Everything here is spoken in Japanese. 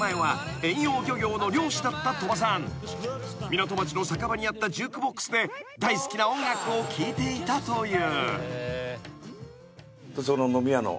［港町の酒場にあったジュークボックスで大好きな音楽を聴いていたという］